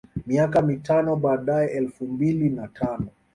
Miaka mitano baadae elfu mbili na tano